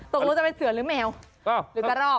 ตกลงจะเป็นเสือหรือแมวหรือกระรอก